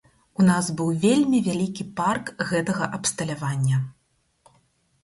У нас быў вельмі вялікі парк гэтага абсталявання.